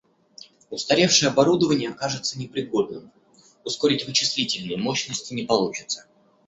Устаревшее оборудование окажется непригодным: ускорить вычислительные мощности не получится